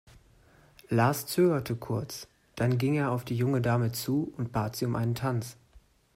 Lars zögerte kurz, dann ging er auf die junge Dame zu und bat sie um einen Tanz.